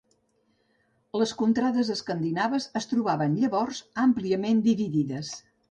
Les contrades escandinaves es trobaven llavors àmpliament dividides.